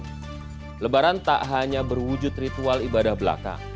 pada tahun ini lebaran tak hanya berwujud ritual ibadah belaka